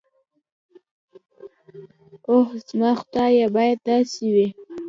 اوح زما خدايه بايد داسې وي.